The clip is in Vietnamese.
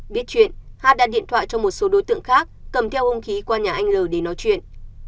biết chuyện hát đã điện thoại cho một số đối tượng khác cầm theo hông khí qua nhà anh l để nói chuyện